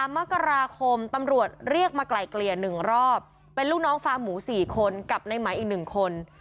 มกราคมตำรวจเรียกมาไกลเกลี่ย๑รอบเป็นลูกน้องฟาร์มหมู๔คนกับในไหมอีก๑คน